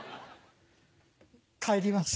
帰ります。